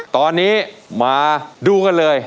ตอนนี้มาดูกันเลย